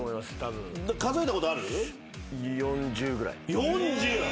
４０！？